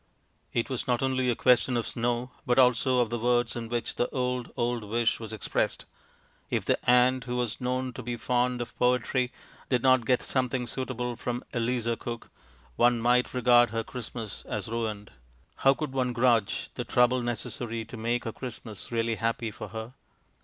It was not only a question of snow, but also of the words in which the old, old wish was expressed. If the aunt who was known to be fond of poetry did not get something suitable from Eliza Cook, one might regard her Christmas as ruined. How could one grudge the trouble necessary to make her Christmas really happy for her?